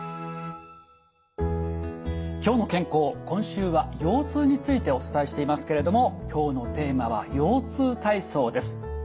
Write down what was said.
今週は腰痛についてお伝えしていますけれども今日のテーマは腰痛体操です。